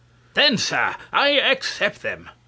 Then, Sir, I accept them.